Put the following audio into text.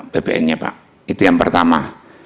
bpn nya pak itu yang pertama